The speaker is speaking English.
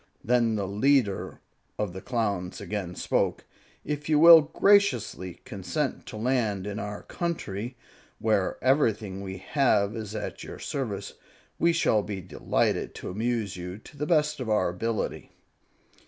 Then the leader of the Clowns again spoke, "If you will graciously consent to land in our country, where everything we have is at your service, we shall be delighted to amuse you to the best of our ability."